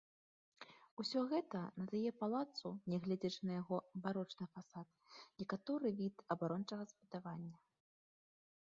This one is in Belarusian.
Усё гэта надае палацу, нягледзячы на яго барочны фасад, некаторы від абарончага збудавання.